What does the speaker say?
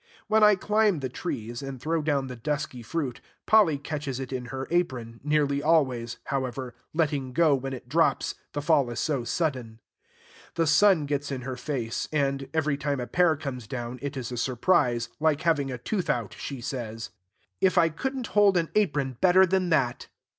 When I climb the trees, and throw down the dusky fruit, Polly catches it in her apron; nearly always, however, letting go when it drops, the fall is so sudden. The sun gets in her face; and, every time a pear comes down it is a surprise, like having a tooth out, she says. "If I could n't hold an apron better than that!"